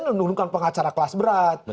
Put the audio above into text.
menundukkan pengacara kelas berat